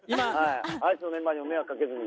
嵐のメンバーにも迷惑掛けずに。